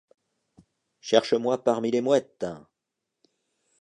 Cherche-moi parmi les mouettes !